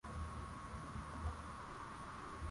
na alijipatia umaarufu sana katika filamu kadha wa kadha